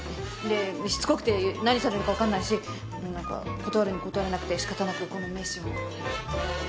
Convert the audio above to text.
でしつこくて何されるかわかんないしなんか断るに断れなくて仕方なくこの名刺を。